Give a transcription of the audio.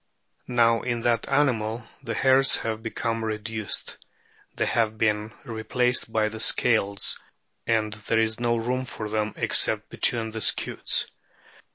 Now in that animal the hairs have become reduced ; they have been re placed by the "scales," and there is no room for them except between the scutes.